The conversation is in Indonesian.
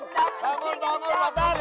bangun bangun bangun